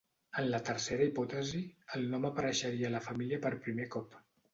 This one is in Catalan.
En la tercera hipòtesi el nom apareixeria a la família per primer cop.